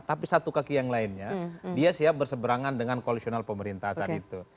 tapi satu kaki yang lainnya dia siap berseberangan dengan koalisional pemerintah saat itu